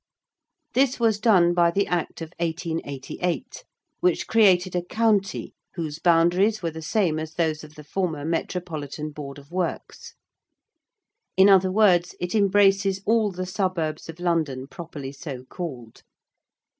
This was done by the Act of 1888, which created a County whose boundaries were the same as those of the former Metropolitan Board of Works; in other words, it embraces all the suburbs of London properly so called.